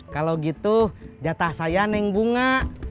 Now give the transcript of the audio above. kalau gitu jatah saya neng bunga